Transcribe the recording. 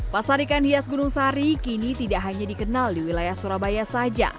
pasar ikan hias gunung sari kini tidak hanya dikenal di wilayah surabaya saja